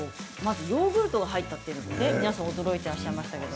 ヨーグルトが入ったということで皆さん驚いていらっしゃいました。